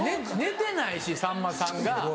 寝てないしさんまさんが。